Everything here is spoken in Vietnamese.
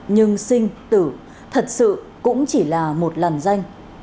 nhưng sinh tử thật sự cũng chỉ là một làn danh